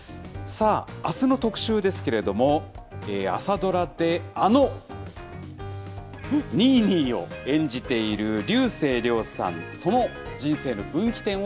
さあ、あすの特集ですけれども、朝ドラであのニーニーを演じている竜星涼さん、その人生の分岐点